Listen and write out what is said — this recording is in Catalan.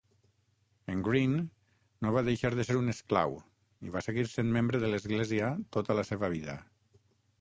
En Green no va deixar de ser un esclau i va seguir sent membre de l"església tota la seva vida.